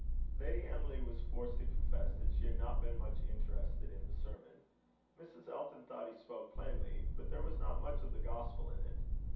Lady Emily was forced to confess that she had not been much interested in the sermon. Mrs. Elton thought he spoke plainly, but there was not much of the gospel in it.